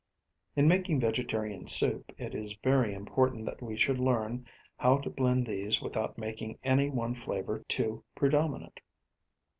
In making vegetarian soup it is very important that we should learn how to blend these without making any one flavour too predominant.